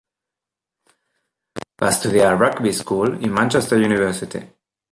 Va estudiar a Rugby School i Manchester University.